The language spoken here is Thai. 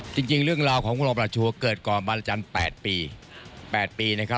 จริงเรื่องราวของขุนรองประหลัดชูเกิดก่อนบรรจันต์๘ปี